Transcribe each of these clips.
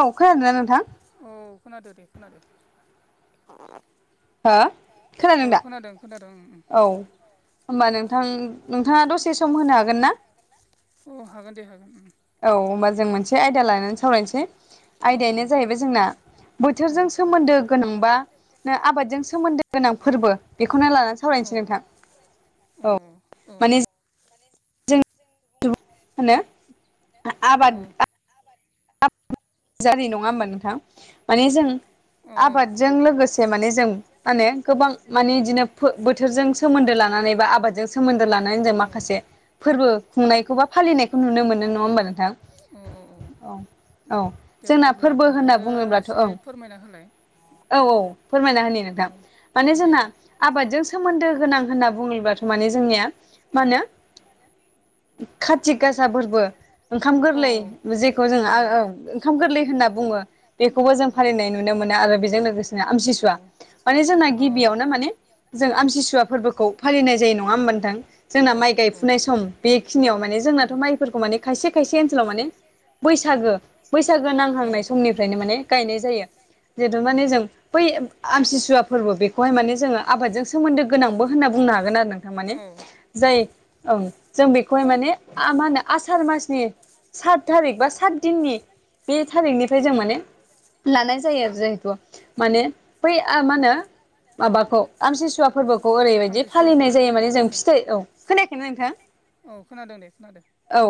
औ खोनादों नोंथां? औ खोनादों दे खोनादों। औ खोनादों खोनादोंओं ओं। औ होनोमबा नोंथां नोंथाङा दसे सम होनो हागोन ना? अ हागोन दे हागोन। औ होमबा जों मोनसे आयदा लानानै सावरायनोसै आयदायानो जाहैबाय जोंना बोथोरजों सोमोन्दो गोनांबा नो आबादजों सोमोन्दो गोनां फोरबो बेखौनो लानानै सावरायनोसै नोंथां। औ माने जों होनो आ-आबाद [unintelligible] जानाय नङा होमबा नोंथां माने जों आबादजों लोगोसे माने जों मा होनो गोबां माने बिदिनो बोथोरजों सोमोन्दो लानानै बा आबादजों सोमोन्दो लानानै जों माखासे फोरबो खुंनायखौ बा फालिनायखौ नुनो मोनो नङा होमबा नोंथां। औ जोंना फोरबो होनना बुङोब्लाथ' ओं औ औ फोरमायना होनि नोंथां माने जोंना आबादजों सोमोन्दो गोनां होनना बुङोब्लाथ' माने जोंनिया मा होनो खाथि गासा फोरबो ओंखाम गोरलै जेखौ जोंङो ओं ओंखाम गोरलै होनना बुङो बेखौबो जों फालिनाय नुनो मोनो आरो बेजों लोगोसेनो आमथिसुवा माने जोंना गिबियावनो माने जों आमथिसुवा फोरबोखौ फालिनाय जायो नङा होमबा नोंथों जोंना माइ गायफुनाय सम बेखिनियाव माने जोंनाथ' माइफोरखौ माने खायसे खायसे ओनसोलाव माने बैसागो बैसागो नांहांनाय समनिफ्रायनो माने गायनाय जायो जिथु माने जों बै आमसिसुवा फोरबो बेखौहाय माने जोंङो आबादजों सोमोन्दो गोनांबो होनना बुंनो हागोन आरो नोंथां माने जाय जों बेखौहाय माने मा होनो आसार मासनि सात थारिख बा सात दिननि बे थारिखनिफ्राय जों माने लानाय जायो आरो जिहेथु माने बै मा होनो माबाखौ आमसिसुवा फोरबोखौ खौ ओरैबायदि फालिनाय जायो माने जों फिथाइ औ खोनायाखैना नोंथां औ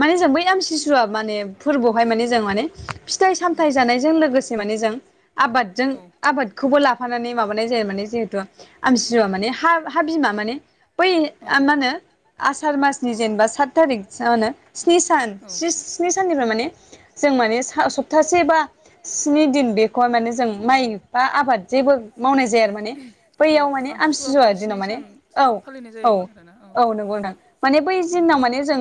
माने जों बै आमसिसुवआ माने फोरबोआवहाय माने जों माने फिथाइ सामथाइ जानायजों लोगोसे माने जों आबादजों आबाद खौबो लाफानानै माबानाय जायो माने जिहेतु आमसुवा माने हा हा बिमा माने बै मा होनो आसार मासनि जेनेबा सात थारिख मा होनो स्नि सान स्नि साननिफ्राय माने जों माने सप्तासे बा स्नि दिन बेखौहाय माने जों माइ बा आबाद जेबो मावनाय जाया आरो माने बैयाव माने आमसुजुवा दिनाव माने औ औ औ नंगौ नोंथां माने बै जिनाव माने जों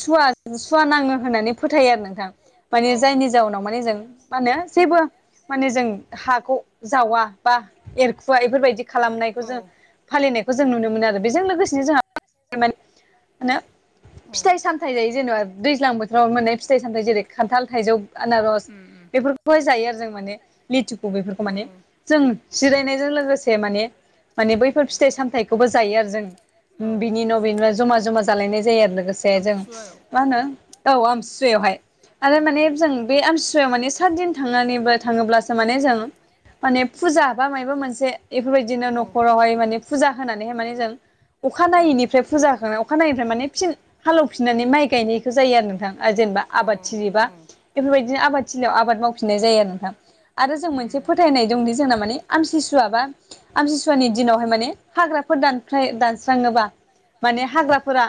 सुवा सुवा नाङो होननानै फोथायो आरो नोंथां माने जायनि जाउनाव माने जों मा होनो जेबो माने जों हाखौ जावा बा एरखुवा बेफोरबायदि खालामनायखौ जों फालिनायखौ जों नुनो मोनो आरो बेजों लोगोसेनो जोंहा माने फिथाइ सामथायाइ जायो जेनेबा दैज्लां बोथोराव मोननाय फिथाइ सामथायाइ जेरै खान्थाल थाइजौ आनारस बेफोरखौहाय जायो आरो जों माने लिथिखु बेफोरखौ माने जों जिरायनायजों लोगोसे माने माने बैफोर फिथाइ सामथायाइखौबो जायो आरो जों बेनि न बेनिन न जमा जमा जालायनाय जायो आरो लोगोसे से जों मा होनो औ आमथि सुवायावहाय आरो माने जों बे आमथिसुवायाव माने सात दिन थांनानैबो थाङोब्लासो माने जों माने फुजा बा मायबा मोनसे बेफोरबायदिनो न'खरावहाय माने फुजा होनानैहाय माने जों अखानायैनिफ्राय फुजाखौ अखानायैनिफ्राय माने फिन हालेवफिननानै माइ गायनायखौ जायो आरो नोंथां जेनेबा आबाद थिलिबा बेफोरबायदिनो आबाद थिलियाव आबाद मावफिननाय जायो आरो नोंथां। आरो जों मोनसे फोथायनाय दंदि जोंना माने आमथिसुवा बा आमथिसुवानि दिनावहाय माने हाग्राफोर दान दानस्राङोबा माने हाग्राफोरा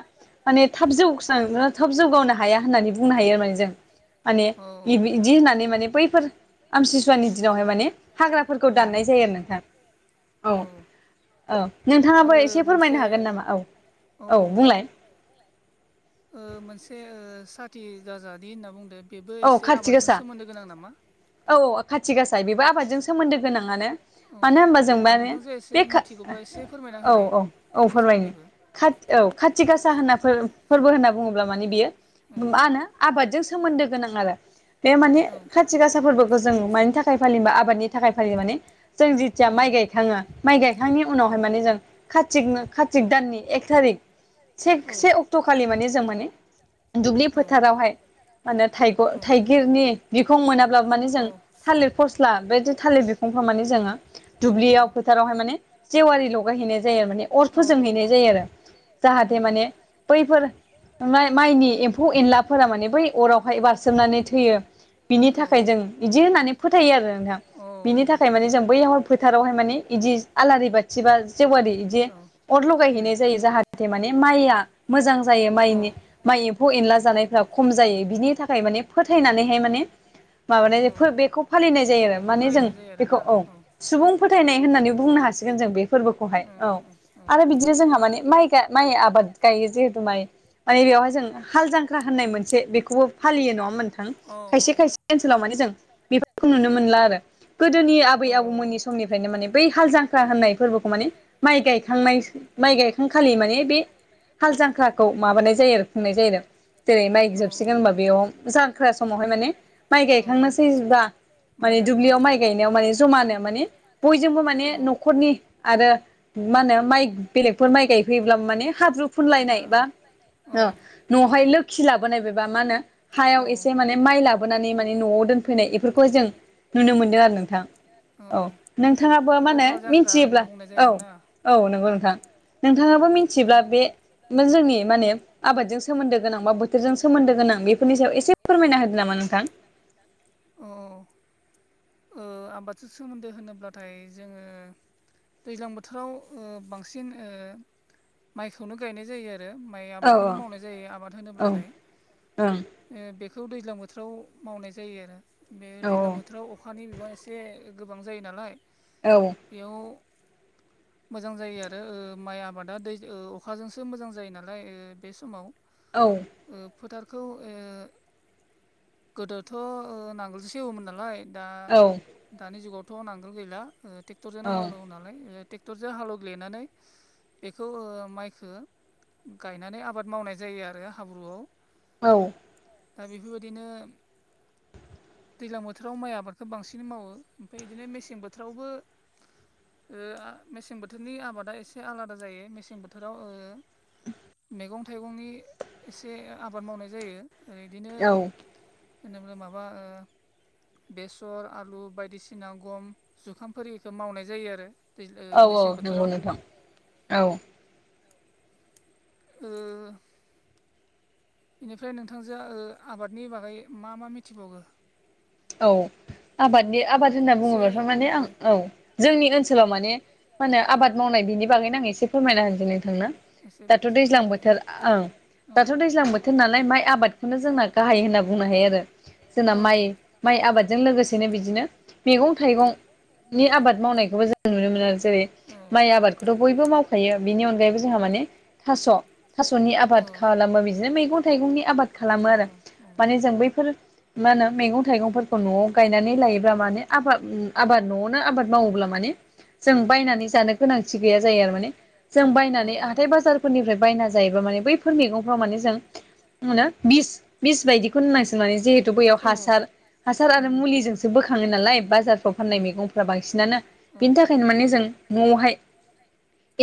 माने थाब जौस्रां थाब जौगनो हाया होननानै बुंनो हायो आरोमाने जों माने बिदि होननानै माने बैफोर आमथिसुवानि दिनावहाय माने हाग्राफोरखौ दाननाय जायो आरो नोंथां। औ औ नोंथाङाबो एसे फोरमायनो हागोन नामा औ औ बुंलाय ओ मोनसे साथि गाजादि होनना बुंदों बेबो एसे आबादजों सोमोन्दो गोनां नामा। औ खाथि गासाय बेबो आबादजों सोमोन्दो गोनाङानो मानो होमबा जोंबानो बे औ औ औ फोरमायनो खा औ खाथि गासा होनना फोरबो होनना बुङोब्ला माने बेयो मा होनो आबादजों सोमोन्दो गोनां आरो बे माने खाथि गासाफोरबो जों मानि थाखाय फालियोबा आबादनि थाखाय फालियो माने जों जिथिया माइ गायखाङो माइ गायखांनायनि उनावहाय माने जों खाथिक खाथिक दाननि एक थारिख से से अक्ट'खालि माने जों माने दुब्लि फोथारावहाय माने थाइग' थाइगिरनि बिखौ मोनाब्ला माने जों थालिर फस्ला बेदि थालिर बिफांखौ माने जोङो दुब्लियाव फोथारावहाय माने जेवारि लगायहैनाय जायो आरो माने अर फोजोंहैनाय जायो आरो। जाहाथे माने बैफोर माइनि एम्फौ एनलाफोरा माने बै अराव बेहाय बारसोमनानै थैयो बिनि थाखाय जों बिदि होननानै फोथायो आरो नोंथां। बिनि थाखाय माने जों बैहाय फोथारावहाय माने बिदि आलारि बाथि बा जेवारि बिदि। अर लगायहैनाय जायो जाहाथे माने माइया मोजां जायो माइनि माइ एम्फौ एनला जानायफ्रा खम जायो बिनि थाखाय माने फोथायनानैहाय माने माबानायफोर बेखौ फालिनाय जायो आरो माने जों बेखौ अ सुबुं फोथायनाय होननानै बुंनो हासिगोन जों बे फोरबोखौहाय औ। आरो बिदिनो जोंहा माने माइ माइ आबाद गायो जिहेतु माइ माने बेवहाय जों हाल जांख्रा होननाय मोनसे बेखौबो फालियो नङा मोनथां खायसे खायसे ओनसोलाव माने जों बेफोरखौ नुनो मोनला आरो। गोदोनि आबै आबौमोननि समनिफ्रायनो माने बै हाल जांखा होननाय फोरबोखौ माने माइ गायखांनाय माइ गायखांखालि माने बे हाल जांख्राखौ माबानाय जायो आरो खुंनाय जायो आरो जेरै माइ जोबसिगोन होनबा बेयाव जांख्रा समावहाय माने माइ गायखांनोसै बा दुब्लियाव माइ गाय माने जमानो माने बयजोंबो माने न'खरनि आरो मा होनो माइ बेलेगफोर माइ गायफैयोब्ला माने हाब्रु फुनलायनाय बा न'आवहाय लोखि लाबोनाय बेबा मा होनो हायाव एसे माने माइ लाबोनानै माने न'आव दोनफैनाय बेफोरखौ जों नुनो मोनदों आरो नोंथां। अ औ। नोंथाङाबो मा होनो मिथियोब्ला औ औ नंगौ नोंथां। नोंथाङाबो मिथिब्ला बे जोंनि माने आबादजों सोमोन्दो गोनां बा बोथोरजों सोमोन्दो गोनां बे बेनि सायाव एसे फोरमायना होदो नामा नोंथां। अ। आबादजों सोमोन्दो होनोब्लाथाय जोङो दैज्लां बोथोराव बांसिन माइखौनो गायनाय जायो आरो माइ आबादखौनो मावनाय जायो आबाद होनोब्लाथाय। बेखौ दैज्लां बोथोराव मावनाय जायो आरो बे दैज्लां बोथोराव अखानि बिबां एसे बे गोबां जायो नालाय औ बेयाव [inaudible] मोजां जायो ओ माइ आबादा दै अखाजोंसो मोजां जायो नालाय ओ बे समाव औ। फोथारखौ गोदोथ' नांगोलजोंसो एवोमोन नालाय दा दानि जुगावथ' नांगोल गैला ओ ट्रेक्टरजोंनो हालेव नालाय ओ ट्रेक्टरजों हालेवग्लिनानै बेखौ ओ माइखो गायनानै आबाद मावनाय जायो आरो हाब्रुआव। औ दा बेफोरबायदिनो दैज्लां बोथोराव माइ आबादखौ बांसिन मावो। ओमफाय बिदिनो मेसें बोथोरावबो ओ आं मेसें बोथोरनि आबादा एसे आलादा जायो मेसें बोथोराव ओ मैगं थाइगंनि एसे आबाद मावनाय जायो। ओ बिदिनो होनोबा माबा ओ बेसर आलु बाय दिसिना गम जुखामफोरखौ मावनाय जायो आरो दै ओ मेसें बोथोराव। औ ओ बेनिफ्राय नोंथांजो ओ आबादनि बागै मा मा मिथिबावो? औ आबादनि आबाद होनना बुङोब्लाथ' माने आं औ जोंनि ओनसोलाव माने मा होनो आबाद मावनाय बिनि बागैनो आं एसे फोरमायना होनदों नोंथांनो दाथ' दैज्लां बोथोर ओं दाथ' दैज्लां बोथ नालाय माइ आबादखौनो जोंना गाहाय होनना बुंनो हायो आरो जोंना माइ माइ आबादजों लोगोसेनो बिदिनो मैगं थाइगंनि आबाद मावनायखौबो जों नुनो मोनो जेरै माइ आबादखौथ' बयबो माव थायो बिनि अनगायैबो जोंहा माने थास थासनि आबाद खालामो बिदिनो मैगं थाइगंनि आबाद खालामो आरो माने जों बैफोर मा होनो मैगं थाइगंफोरखौ न'आव गायनानै लायोब्ला माने आबाद आबाद न'आवनो आबाद मावोब्ला माने जों बायनानै जानो गोनांथि गैया जायो आरो माने। जों बायनानै हाथाय बाजारफोरनिफ्राय बायना जायोबा माने बैफोर मैगंफ्राव माने जों मोनो बिस बिस बायदिखौ होननां सिगोन माने जिहेथु बैयाव हासार हासार आरो मुलिजोंसो बोखाङो नालाय बाजार फ्राव फाननाय मैगंफ्रा बांसिनानो बिनि थाखायनो माने जों न'आवहाय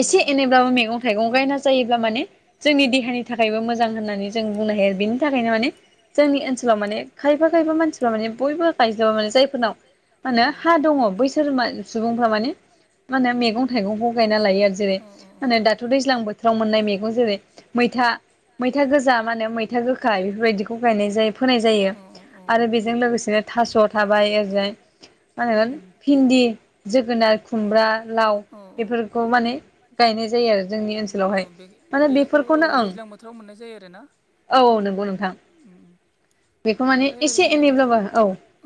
एसे एनैब्लाबो मैगं थाइगं गायना जायो जायोब्ला माने जोंनि देहानि थाखायबो मोजां होननानै जों बुंनो हायो आरो बेनि थाखायनो माने जोंनि ओनसोलाव माने खायफा खायफा मानसिफ्रा माने बयबो गायज्ल माने जायफोरनाव माहोनो हा दङ बैसोर सुबुंफ्रा माने मा होनो मैगं थाइगंखौ गायना लायो आरो जेरै मा होनो दाथ' दैज्लां बोथोराव मोननाय मैगं जेरै मैथा मैथा गोजा मा होनो मैथा गोखा बेफोरबायदिखौ गायनाय जायो फोनाय जायो आरो बे बेजों लोगोसेनो थास' थाबाय ओजाय मा होनो भिन्दि जोगोनार खुमब्रा लाव बेफोरखौ माने गायनाय जायो आरो जोंनि ओनसोलावहाय माने बेफोरखौनो ओं औ औ नोंगौ नोंथां बेखौ माने एसे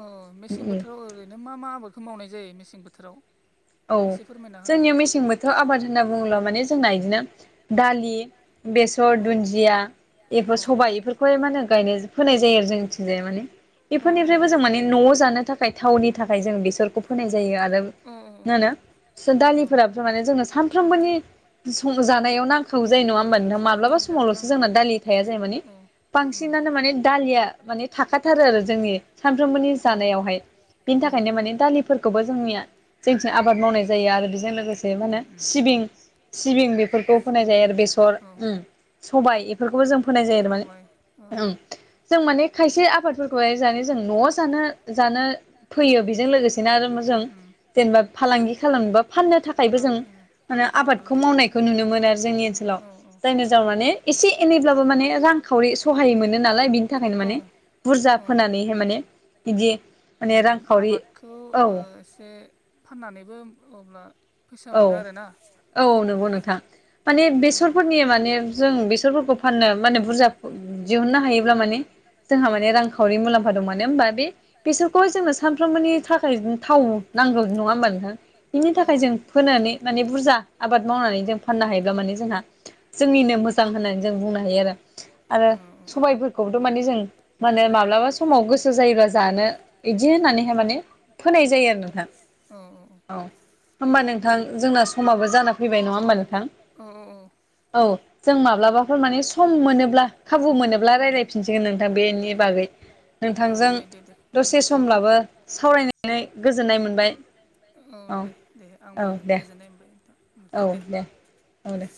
ओ मेसें बोथोराव ओरैनो मा मा आबादखौ मावनाय जायो मेसें बोथोराव? औ जोंनिया मेसें बोथोराव आबाद होनना बुङोब्ला माने जोंना बिदिनो दालि बेसर दुन्दिया बेफोर सबाय बेफोरखौहाय मा होनो गायनाय फोनाय जायो आरो जोंथिंजाय माने। बेफोरनिफ्रायबो जों माने न'आव जानो थाखाय थावनि थाखाय जों बेसरखौ फोनाय जायो आरो ना होनो दालिफोराब माने जोङो सानफ्रोमबोनि सं जानायाव नांखागौ जायो नङा होमबा नोंथां माब्लाबा समावल'सो जोंना दालि थाया जाया माने। बांसिनानो माने दालिया माने थाखाथारो आरो जोंनि सानफ्रोमबोनि जानायावहाय। बिनि थाखायनो माने दालिफोरखौबो जोंनिया जोंथिं आबाद मावनाय जायो आरो बेजों लोगोसे मा होनो सिबिं सिबिं बेफोरखौ फोनाय जायो आरो बेसर उम सबाय एफोरखौबो जों फोनाय जायो आरो माने जों माने खायसे आबादफोरखौहाय जानो जों न'आव जानो जानो फैयो बेजों लोगोसेनो आरो जों जेनेबा फालांगि खालामनोबा फाननो थाखायबो जों माने आबादखौ मावनायखौ नुनो मोनो आरो जोंनि ओनसोलाव जायनो नाव माने एसे एनैब्लाबो माने रांखावरि सहाय मोनो नालाय बिनि थाखायनो माने बुरजा फोनानैहाय माने बिदि उम आबादखौ ओ एसे फाननानैबो अब्ला फैसा मोनो आरोना। औ नंगौ नोंथां माने बेसरफोरनि माने जों बेसरफोरखौ फाननो माने बुरजा दिहुननो हायोब्ला माने जोंहा माने रांखावरि मुलाम्फ दं मानो होमबा बे बिसोरखौहाय जोंनो सानफ्रोमबोनि थाखाय थाव नांगौ नङा होमबा नोंथां बिनि थाखाय जों फोनानै माने बुरजा आबाद मावनानै जों फाननो हायोब्ला माने जोंहा जोंनिनो मोजां होननानै जों बुंनो हायो आरो आरो सबायफोरखौबोथ' माने जों माने माब्लाबा समाव गोसो जायोबा जानो इदि होननानैहाय माने फोनाय जायो आरो नोंथां। अ अ अ होमबा नोंथां जोंना समाबो जाना फैबाय नङा होमबा नोंथां? औ जों माब्लाबाफोर माने सम मोनोब्ला खाबु मोनोब्ला रायज्लाय फिनसिगोन नोंथां बेनि बागै। नोंथांजों दसे समब्लाबो सावरायनानै गोजोननाय मोनबाय। औ दे दे आंबो गोजोननाय मोनबाय नोंथां। औ दे औ दे